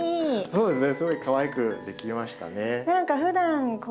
そうですね。